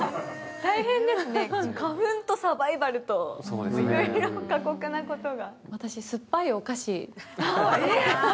大変ですね、花粉とサバイバルといろいろ過酷なことが。